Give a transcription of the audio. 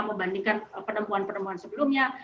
membandingkan penemuan penemuan sebelumnya